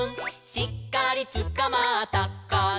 「しっかりつかまったかな」